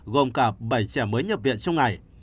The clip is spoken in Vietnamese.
gồm cả bảy trẻ mới nhập viện trong ngày